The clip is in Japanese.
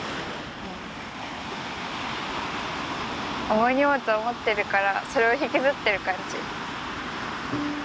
重い荷物を持ってるからそれを引きずってる感じ。